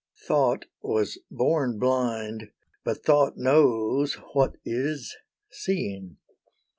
Thought was born blind, but Thought knows what is seeing.